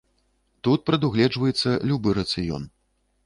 Тут прадугледжваецца любы рацыён.